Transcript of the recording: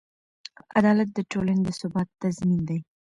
عدالت د ټولنې د ثبات تضمین دی.